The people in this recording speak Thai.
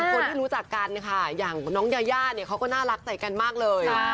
คนที่รู้จักกันค่ะอย่างน้องยาย่าเนี่ยเขาก็น่ารักใส่กันมากเลย